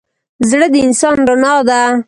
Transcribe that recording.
زړه د انسان رڼا ده.